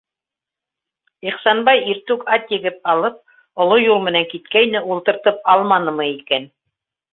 Ихсанбай иртүк ат егеп алып оло юл менән киткәйне, ултыртып алманымы икән?